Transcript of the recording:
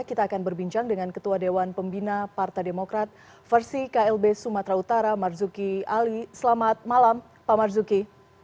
kita akan berbincang dengan ketua dewan pembina partai demokrat versi klb sumatera utara marzuki ali selamat malam pak marzuki